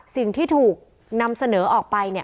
สิ่งที่ถูกนำเสนอออกไป